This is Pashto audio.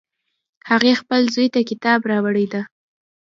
هغې خپل زوی ته کتاب راوړی ده